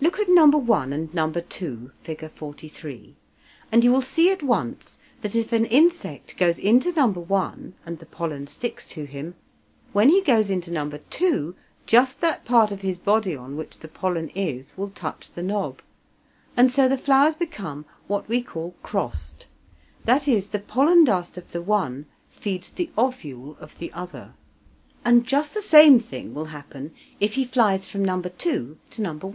Look at No. 1 and No. 2 (Fig. 43) and you will see at once that if an insect goes into No. 1 and the pollen sticks to him, when he goes into No. 2 just that part of his body on which the pollen is will touch the knob; and so the flowers become what we call "crossed," that is, the pollen dust of the one feeds the ovule of the other. And just the same thing will happen if he flies from No. 2 to No. 1.